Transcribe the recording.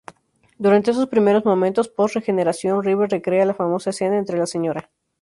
Durante esos primeros momentos post-regeneración, River recrea la famosa escena entre la Sra.